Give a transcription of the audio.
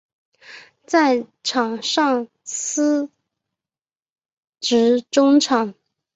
在场上司职中场。